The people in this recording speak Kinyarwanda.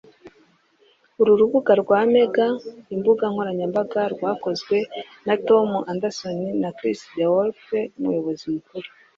Uru rubuga rwa mega, imbuga nkoranyambaga rwakozwe mu na Tom Anderson na Chris DeWolfe (Umuyobozi mukuru).